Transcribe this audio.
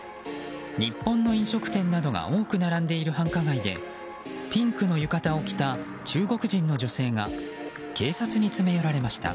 日本の飲食店などが多く並んでいる繁華街でピンクの浴衣を着た中国人の女性が警察に詰め寄られました。